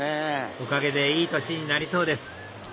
おかげでいい年になりそうです